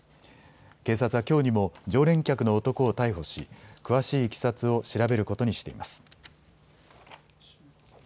警察はきょうにも常連客の男を逮捕し、詳しいいきさつを調べることにしています。